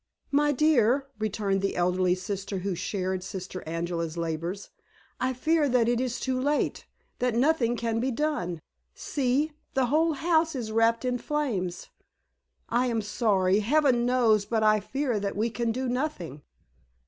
"My dear," returned the elderly sister who shared Sister Angela's labors, "I fear that it is too late, that nothing can be done. See, the whole house is wrapped in flames. I am sorry, Heaven knows, but I fear that we can do nothing."